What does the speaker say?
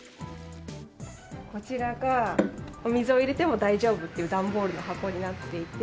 こちらがお水を入れても大丈夫っていう段ボールの箱になっていて。